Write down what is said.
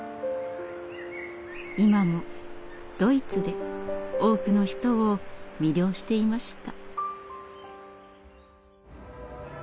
今もドイツで多くの人を魅了していました。